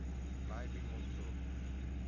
Live in Montreux